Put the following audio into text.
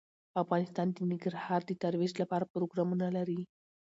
افغانستان د ننګرهار د ترویج لپاره پروګرامونه لري.